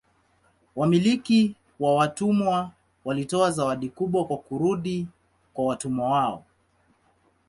Wamiliki wa watumwa walitoa zawadi kubwa kwa kurudi kwa watumwa wao.